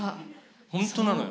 本当なのよ。